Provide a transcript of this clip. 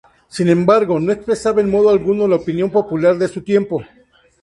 Sin embargo, no expresaba en modo alguno la opinión popular de su tiempo.